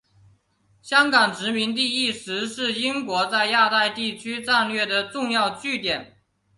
香港殖民地一直是英国在亚太区战略的重要据点。